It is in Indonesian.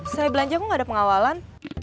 saya belanja kok nggak ada pengawalan